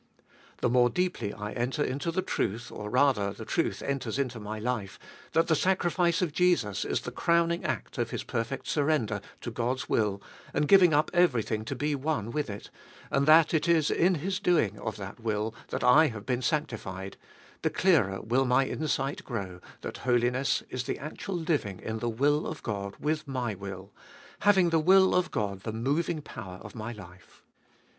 The more deeply I enter into the truth, or rather the truth enters into my life, that the sacrifice of Jesus is the crowning act of His perfect surrender to God's will and giving up everything to be one with it, and that it is in His doing of that will, that / have been sanctified — the clearer will my insight grow that holiness is the actual living Gbc iboliest of ail 499 in the will of God with my will, having the will of God the moving power of my life.